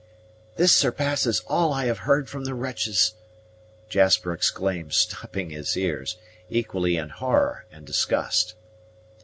"This surpasses all I have heard from the wretches," Jasper exclaimed, stopping his ears, equally in horror and disgust.